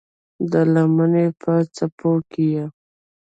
د لمنې په څپو کې یې